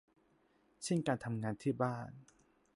เช่นการทำงานที่บ้าน